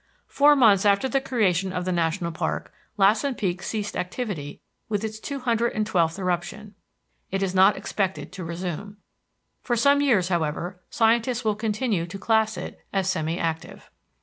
Four months after the creation of the national park Lassen Peak ceased activity with its two hundred and twelfth eruption. It is not expected to resume. For some years, however, scientists will continue to class it as semi active.